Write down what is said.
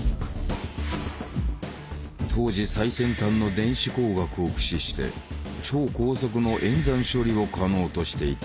当時最先端の電子工学を駆使して超高速の演算処理を可能としていた。